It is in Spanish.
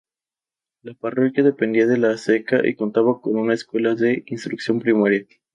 La parroquia dependía de La Seca y contaba con una escuela de instrucción primaria.